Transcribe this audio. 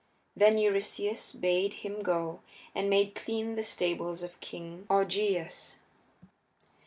Then Eurystheus bade him go and make clean the stables of King Augeias.